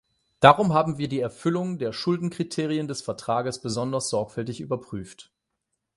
Darum haben wir die Erfüllung der Schuldenkriterien des Vertrages besonders sorgfältig überprüft.